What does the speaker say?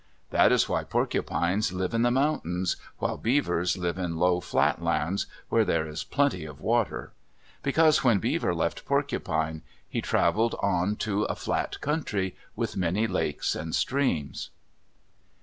That is why porcupines live in the mountains, while beavers live in low, flat lands, where there is plenty of water. Because when Beaver left Porcupine, he traveled on to a flat country, with many lakes and streams.